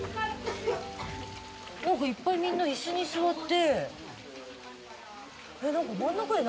いっぱいみんな椅子に座って。